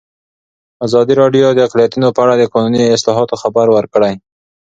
ازادي راډیو د اقلیتونه په اړه د قانوني اصلاحاتو خبر ورکړی.